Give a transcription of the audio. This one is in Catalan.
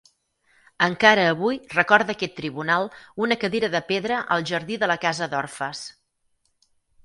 Encara avui recorda aquest Tribunal una cadira de pedra al jardí de la casa d'orfes.